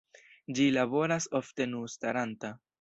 Ĝi laboras ofte nu staranta.